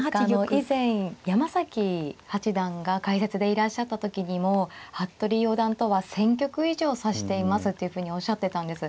以前山崎八段が解説でいらっしゃった時にも服部四段とは１，０００局以上指していますっていうふうにおっしゃってたんです。